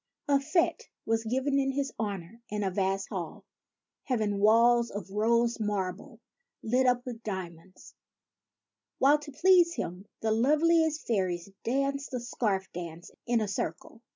A fete was given in his honor in a vast hall, having walls of rose marble, lit up with diamonds ; while, to please him, the loveliest fairies danced a scarf dance in a circle.